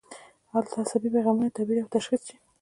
هلته عصبي پیغامونه تعبیر او تشخیص شي.